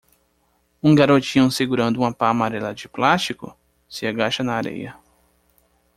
Um garotinho segurando uma pá amarela de plástico?? se agacha na areia.